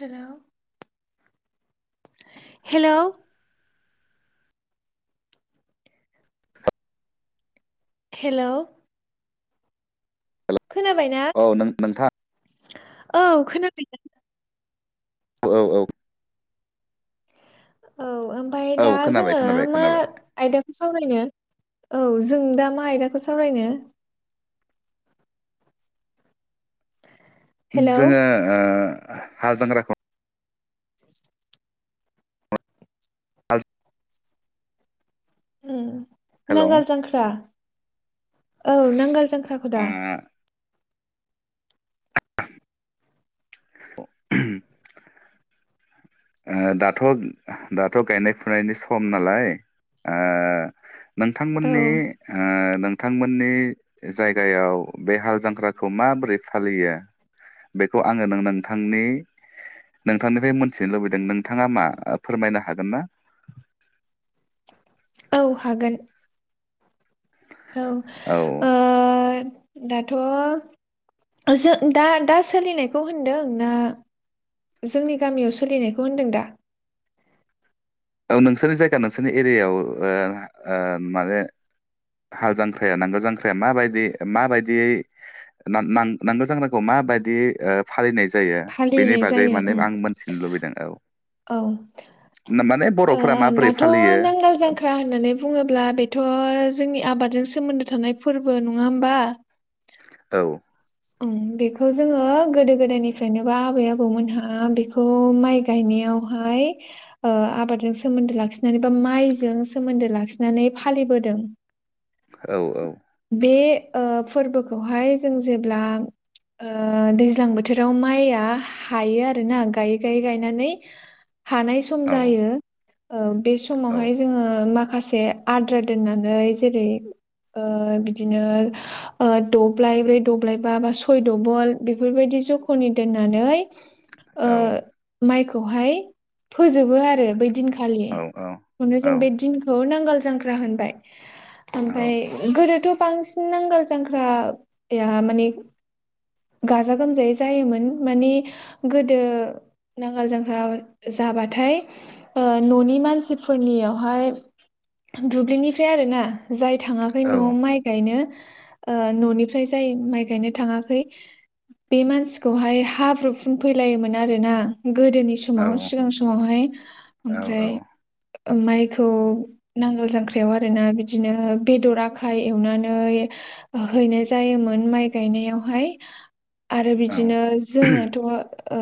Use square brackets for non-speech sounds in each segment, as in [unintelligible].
हेल' हेल' [inaudible] हेल' हेल' औ नों-नोंथां औ खोनाबायना औ औ औ औ ओमफ्राय औ दा खोनाबाय जोङो खोनाबाय मा खोनाबाय आयदाखौ सावरायनो औ जों दा मा आयदाखौ सावरायनो हेलौ जोङो ओ हालजांख्राखौ [unintelligible] ओ हेल' ओ नांगाल जांख्रा औ नांगोल जांख्राखौ दा [unintelligible] दाथ' दाथ' गायनाय फुनायनि सम नालाय औ नोंथांमोननि नोंथांमोननि जायगायाव बे हाल जांख्राखौ माबोरै फालियो बेखौ आङो नोंथांनि नोंथांनिफ्राय मिथिनो लुबैदों नोंथाङा मा फोरमायनो हागोन ना? औ हागोन औ औ ओ दाथ' जों दा दा सोलिनायखौ होनदों ना जोंनि गामियाव सोलिनायखौ होनदों दा औ नोंसोरनि जायगा नोंसोरनि एरियायाव ओ ओ माने हाल जांख्राया नांगोल जांख्राया माबायदि माबायदि नांगोल जांख्राखौ माबायदि फालिनाय जायो बेनि फालिनाय बागै जायो माने उम आं मोनथिनो लुबैदों औ औ ना- माने ओ बर'फोरा माबोरै दाथ' फालियो नांगाल जांख्रा होननानै बुङोब्ला बेथ' जोंनि आबादजों सोमोन्दो थानाय फोरबो नङा होमबा? औ ओम बेखौ जोङो गोदो गोदायनिफ्रायनो बा आबै आबौमोनहा बेखौ माइ गायनायावहाय ओ आबादजों सोमोन्दो लाखिनानै बा माइजों सोमोन्दो लाखिनानै फालिबोदों। औ औ बे ओ फोरबोखौहाय जों जे ब्ला ओ दैज्लां बोथोराव माइया हायो आरोना गायै गायै गायनानै हानाय सम औ जायो ओ बे औ समावहाय जोङो माखासे से आद्रा दोननानै जेरै ओ बिदिनो ओ दबलायब्रै दब्लायबा बा सय दबल बेफोरबायदि जख'नि दोननानै ओ माइ खो बहाय फोजोबो आरो बै दिन खा खालि औ औ खौनो औ जों बे दिनखौ नांग गोल जांख्रा होनबाय औ ओमफाय गोदोथ' बांसिन नांगोल जांख्रा एआ माने गाजा गोमजायै जायोमोन माने गोदो नांगाल जांग्रा जाबाथाय ओ न'नि मानसिफोरनियावहाय दुब्लिनिफ्राय आरोना जाय थाङाखै औ न'आव माइ गायनो ओ न'निफ्राय जाय माइ गायनो थाङाखै बे मानसिखौहाय हाब्रु फुनफैलायोमोन आरोना गोदोनि समाव औ सिगां समावहाय औ औ ओमफ्राय ओ माइखौ नांगोल जांख्रायाव आरोना बिदिनो बेदर आखाय एवनानै हैनाय जायोमोन माइ गायनायावहाय आरो बिदिनो जोंनोथ' ओ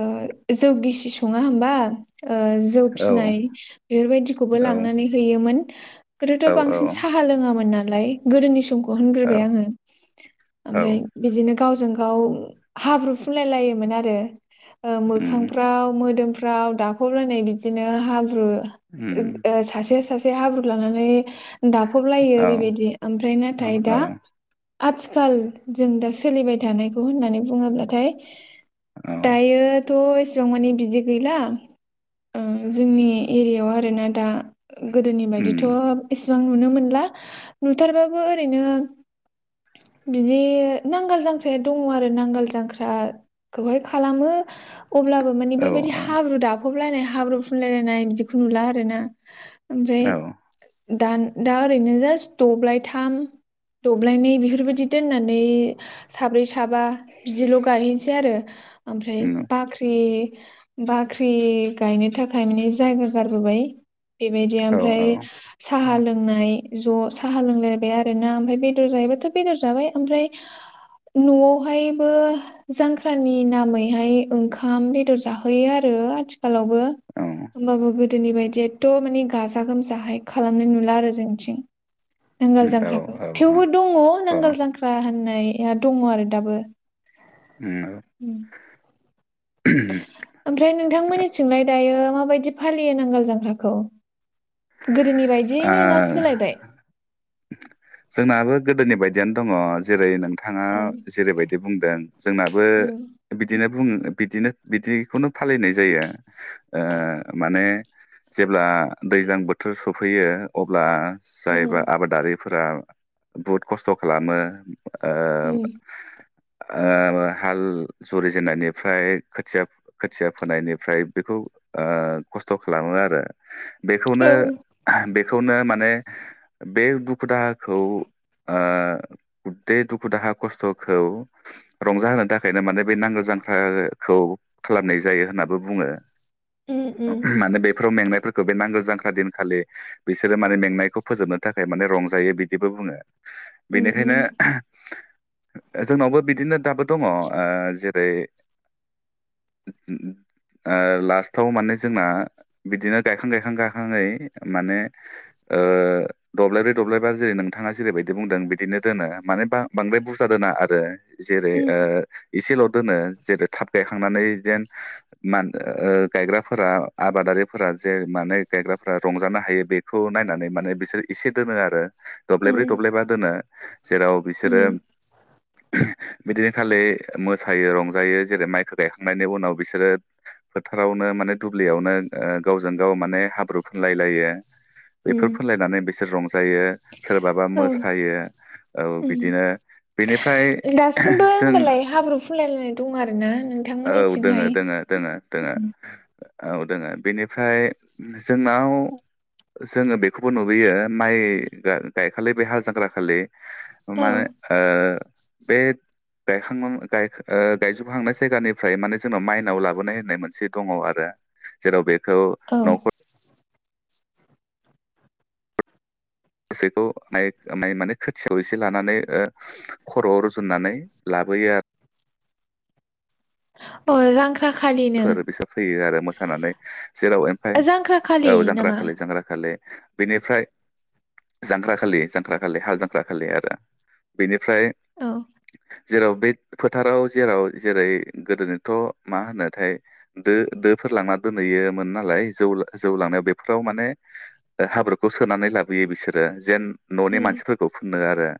जौ गिसि सङा होमबा? ओ जौ फिनाय बेफोरबायदिखौबो लांनानै हैयोमोन गोदोथ' बांसिन साहा लोङोमोन ना लाय गोदोनि समखो बहनग्रोबाय आङो औ ओमफ्राय बिदिनो गावजों गाव हाब्रु फुनलाय लायोमोन आरो। ओ उम मोखांफ्राव मोदोम फ्राव दाफब लायनाय बिदिनो हाब्रु उम ओ सासे सास से हाब्रु लानानै औ दाफबलायो बेबायदि ओमफ्राय नाथाय औ दा आथिखाल जों दा सोलिबाय थानायखौ होननानै बुङोब्लाथाय दायोथ' जों माने बिदि गैला जोंनि एरियायाव आरोना दा गोदोनि बायदिथ' उम एस बां नुनो मोनला नुथारबबो ओरैनो बिदि नांगोल जां ख्राया दङ आरो नांगाल जांख्राखौहाय खालामो। अब्लाबो माने औ बैबायदि औ हाब्रु दाफबलायनाय हा हाब्रु फुनलायलायनाय बिदिखौ नुला आरो ना। ओमफ्राय दा दा ओरैनो जास्ट दब्लायथाम दब्लायनै बेफोरबायदि दोननानै साब्रै सा साबा बिदिल' गायहैनोसै आरो। ओमफ्राय उम बाख्रि बाख्रि गायनो थाखाय माने जायगा गारबोबाय। बेबायदि औ ओमफ्राय औ साहा लोंनाय ज' साहा लोंलायबाय आरो ना ओमफ्राय बेदर जायोैबाथ' बेदर जाबाय ओमफ्राय न'आवहायबो जांख्रानि नामैहाय ओंखाम बेदर जाहोयो आरो आथिख खालावबो औ होमबाबो गो गोदोनि बायदि एथ' माने गाजा गोमजाहाय खालामनाय नुला आरो जोंथिं। औ नांगोल औ जांख्राखौ औ थेवबो दङ औ नांगोल जांख्रा होन नै। नाया दङ आरो दाबो। उम ओमफ्राय नोंथांमोननिथिंलाय दायो माबायदि फालियो नांगोल जांख्राखौ? गोदोनि आ बायदियैनो ना सोलायबाय। जोंनाबो गोदोनि बायदियनो दङ जेरै- नों थाङा ओं जेरैबायदि बुंदों जोंनाबो उम बिदिनो बुङो। बिदिनो बिदिखौनो फालिनाय जायो ओ माने जेब्ला दैज्लां बोथोर सफैयो अब्ला। उम जायबा आबादारि। फोरा बहुद खस्थ' खालामो। ओ। उम ओ हाल जुरिजेननायनिफ्राय खोथिया खोथिया फोनायनिफ्राय बेखौ ओ खस्थ' खालामो आरो। औ बेखौनो बे खौनो माने बे बु दुखु दाहाखौ ओ गुददे दुखु दाहा खस्थ'खौ रंजाहोनो थाखायनो माने बे नांगोल जांख्राखौ खालामनाय जायो होनाबो बुङो। उम उम माने बेफोराव मेंनाय। फोरखो बे नांगोल जांख्रा दिनखालि बिसोरो माने मेंनायखौ फोजोबनो थाखाय म रं जायो बिदिबो बुङो। उम बेनिखायनो उम ओहो। जोंनावबो बिदिनो दाबो दङ। ओ जेरै- ओ लास्टाव माने जोंना बिदिनो गायखां गायखां गायखांनानै माने ओ दब्लायब्रै दब्लायबा जेरै नोंथाङा जेरैबायदि बुंदों बिदिनो दोनो माने बांद्राय बुरजा दोना आरो। जेरै उम ओ एसेल' दोनो। जेरै थाब गायखांनानै जेन माने ओ गायग्राफोरा आबादारिफोरा जे माने गायग्राफोरा रंजानो हायो बेखौ नायनानै माने बिसोर एसे दोनो आरो दब्लायब्रै, उम दब्लायबा दोनो जेराव बिसोरो उम बेदिन खालि मोसायो रंजायो, जेरै माइखौ गायखांनायनि उनाव बिसोरो फोथारावनो माने दुब्लियावनो गावजों गाव माने हाब्रु फुनलाय लायो। बेफोर उम फुनलायनानै बिसोर रंजायो। सोरबाबा औ मोसायो, औ उम बिदिनो बेनिफ्राय दासिमबो जों होमबालाय हाब्रु फुनलायलायनाय दं आरो ना औ दङ नोंथांमोननिथिंहाय दङ दङ दङ। औ दोङो बेनिफ्राय जोंनाव जोङो बेखौबो नुबोयो माइ गायखालि बे हाल जांख्रा खालि औ माने आ बे गायखां [unintelligible] ओ गायजोबखांनाय जायगानिफ्राय माने जोंनाव माइनाव लाबोनाय होननाय मोनसे दङ आरो जेराव बे खौ औ न'खर [unintelligible] माइ माने खोथियाव एसे लानानै खर'आव रुजुननानै लाबोयो आरो अ जां फोर बिसोर फैयो आरो। मोसानानै जेराव ओमफ्राय, जांख्रा खालि औ नामा जांग्राखालि जांख्राखालि बेनिफ्राय जांख्राखालि जांख्राखालि हाल जांख्राखालि आरो बेनि फ्राय औ जेराव बे फोथाराव जेराव जेरै गोदोनिथ' मा होनो [unintelligible] दो दोफोर लांना दोनहैयोमोन नालाय जौ जौ लांनायाव बेफोराव माने हाब्रुखौ सोनानै लाबोयो बिसोरो जेन न'नि उम मानसिफोरखौ फुननो [inaudible]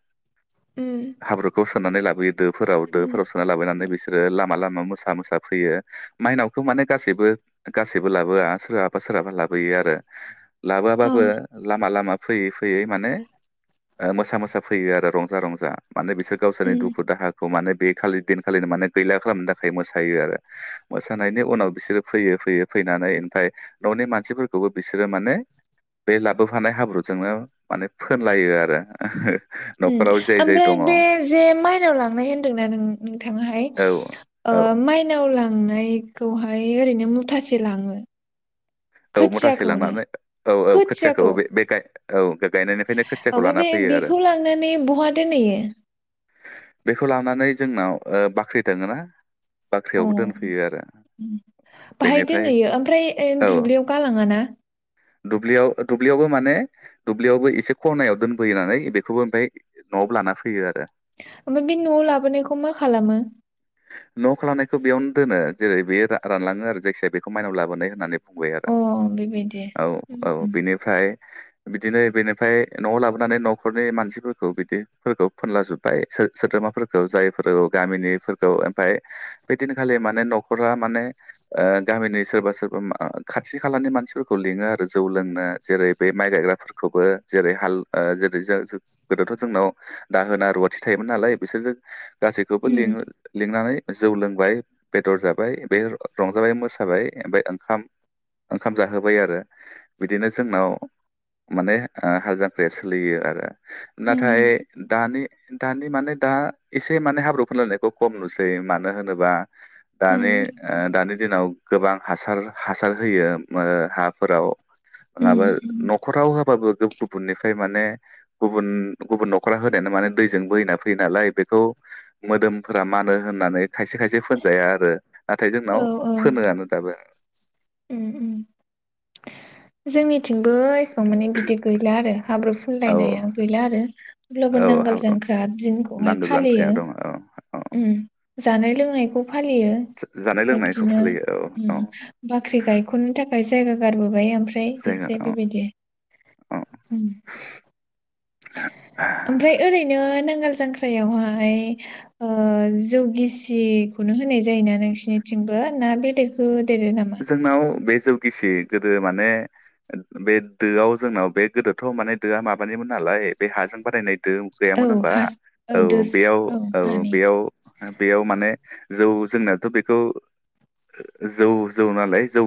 उम हाब्रुखौ सोनानै लाबोयो दोफोराव उम दोफोराव सोनानै लाबोनानै बिसो आरो लामा लामा मोसा मोसा फैयो। माइनावखौ माने गासैबो गासैबो लाबोआ सोरहाबा सोरहाबा लाबोयो आरो औ लाबोआबाबो लामा लामा फैयै-फैयै माने मोसा मोसा फैयो आरो रंजा रंजा माने बिसोर गावसोरनि उम दुखु दाहाखौ माने बे खालि दिनखालिनो माने गैला खालामनो थाखाय मोसायो आरो मोसानायनि उनाव बिसोरो फैयो-फैयो फैनानै ओमफ्राय न'नि मानसिफोरखौबो बिसोरो माने बे लाबोफानाय हाब्रुजोंनो माने फोनलायो आरो उम न'खराव जाय जाय ओमफ्राय दङ औ बे जे माइनाव लांनाय होन्दोंना नों नोंथाङाहाय ओ औ माइनाव लां लांनायखौहाय ओरैनो मुथासे लाङो औ मुथासे खोथियाखौनो लांनानै औ-औ खोथियाखौ बे-बे गाय औ बे ओमफ्राय बे बेखौ लांनानै बहा दोनहैयो बेखौ लांनानै जोंनाव ओ बाख्रि दोङो ना अ' उम बाहाय बेनिफ्राय दोनहैयो ओमफ्राय औ दुब्लियाव गालाङा ना दुब्लियाव दुब्लियावबो माने दुब्लियावबो एसे खनायाव दोनबोयोनानै बेखौबो ओमफ्राय न'आव लाना फैयो आरो ओमफ्राय बे न'आव लाबोनायखौ मा खालामो न' खालामनायखौ बेयावनो दोनो जेरै बे रा-रानलाङो आरो जायखिजाया बेखौ माइनाव लाबोनाय होननानै बुंबाय आरो अ बेबायदि उम औ-औ बिनिफ्राय बिदिनो बेनिफ्राय न'आव लाबोनानै न'खरनि मानसिफोरखौ बिदिफोरखौ फोनलाजोब्बाय सो-सोद्रोमाफोरखौ जायफोर गामिनिफोर ओमफ्राय बेदिनखालि माने न'खरा माने ओ गामिनि सोरबा सोरबा मा-खाथि खालानि मानसिफोरखौ लिङो आरो जौ लोंनो जेरै बे माइ गायग्राफोरखौबो जेरै हाल ओ जेरै जो-जो गोदोथ' जोंनाव दाहोना रुवाथि थायोमोन नालाय बिसोरजों गासैखौबो उम लिङो लिंनानै जौ लोंबाय बेदर जाबाय बे रंजाबाय मोसाबाय ओमफ्राय ओंखाम ओंखाम जाहोबाय आरो बिदिनो जोंनाव माने हाल जांख्रिया सोलियो आरो उम नाथाय दानि दानि माने दा एसे माने हाब्रु फोनलायनायखौ खम नुसै मानो होनोबा उम दानि आ दानि दिनाव गोबां हासार हासार होयो ओ हाफोराव उम नङाबा उम न'खराव होबाबो गुबुननिफ्राय माने गुबुन गुबुन न'खरा होनायानो माने दैजों बोहैना फैयो नालाय बेखौ मोदोम फोरा मानो होननानै खायसे खायसे फोनजाया आरो नाथाय औ जोंनाव औ फोनोआनो दाबो उम उम जोंनिथिंबो माने बिदि गैला आरो हाब्रु औ फुनलायनाया गैला आरो अब्लाबो औ नांगोल हाब्रु जांख्रा दिनखौहाय नांगोल फालियो जांख्राया दङ औ औ उम जानाय लोंनायखौ फालियो जानाय लोंनायखौ बिब्दिनो फालियो औ उम औ बाख्रि गायख'ननो थाखाय जायगा गारबोबाय ओमफ्राय जायगा एसे औ बेबायदि औ उम ओमफ्राय ओरैनो नों हाल जांख्रायावहाय ओ जौ गिसिखौनो होनाय जायोना नोंसिनिथिंबो ना बेलेग होदेरो नामा जोंनाव बे जौगिसि गोदो माने बे दोआव जोंनाव बे गोदोथ' माने दोआ माबानिमोन नालाय बे हाजों बानायनाय दो औ गैयामोन होमबा हा औ दोस बेयाव औ औ हानि बेयाव बेयाव माने जौ जोंनाथ बेखौ जौ। जौ नालाय जौ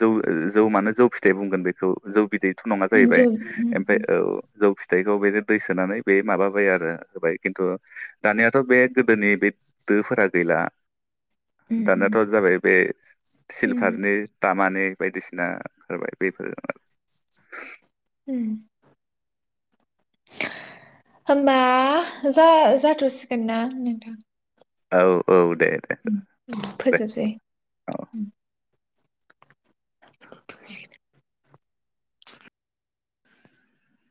जौ जौ मानो जौ फिथाइ बुंगोन बेखौ जौ बिदै थ नङा उम जौ जाहैबाय उम ओमफ्राय औ। जौ फिथाइखौ बे दै सोनानै बे माबाबाय आरो होबाय खिन्थु दानियाथ बे गोदोनि बे दोफोरा गैला। उम उम दानियाथ जाबाय बे। उम सिलभारनि दान माने बायदिसिना जाबाय बैफोरो। उम होमबा जा-जाथसिगोनना नोंथां। औ औ। दे दे उम उम दे फोजोबनोसै औ उम [unintelligible] [inaudible]